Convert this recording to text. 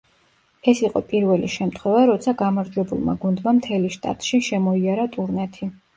ეს იყო პირველი შემთხვევა, როცა გამარჯვებულმა გუნდმა მთელი შტატში შემოიარა ტურნეთი.